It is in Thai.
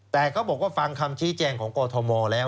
แต่เขาบอกว่าฟังคำชี้แจงของกอทมแล้ว